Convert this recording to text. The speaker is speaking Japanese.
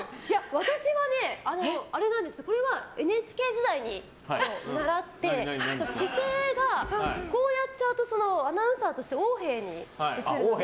私はね、ＮＨＫ時代に習って姿勢が、こうやっちゃうとアナウンサーとして横柄に映るので。